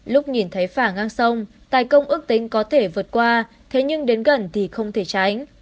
lúc nhìn thấy phả ngang sông tài công ước tính có thể vượt qua thế nhưng đến gần thì không thể tránh